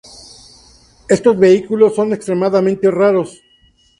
Estos vehículos son extremadamente raros.